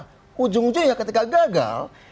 hujung hujungnya ketika gagal